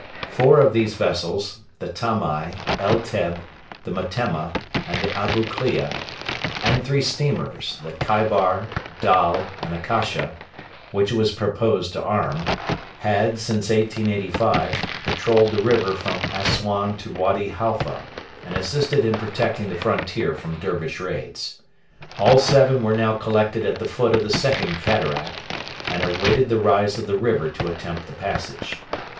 Four of these vessels the Tamai, El Teb, the Metemma, and the Abu Klea; and three steamers the Kaibar, Dal, and Akasha, which it was proposed to arm had, since 1885, patrolled the river from Assuan to Wady Halfa, and assisted in protecting the frontier from Dervish raids. All seven were now collected at the foot of the Second Cataract, and awaited the rise of the river to attempt the passage.